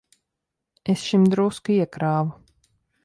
Es šim drusku iekrāvu.